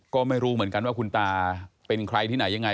ก็ไม่รู้เหมือนกันว่าคุณตาเป็นใครที่ไหนยังไง